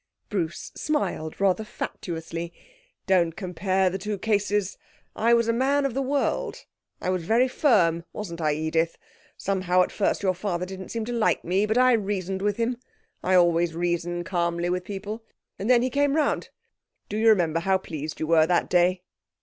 Bruce smiled rather fatuously. 'Don't compare the two cases. I was a man of the world.... I was very firm, wasn't I Edith? Somehow at first your father didn't seem to like me, but I reasoned with him. I always reason calmly with people. And then he came round. Do you remember how pleased you were that day?'